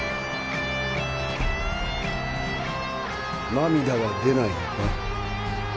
涙は出ないのか？